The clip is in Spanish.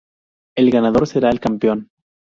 El ganador será el campeón.